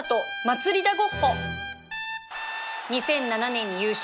２００７年優勝